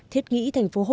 thiết nghĩ tp hcm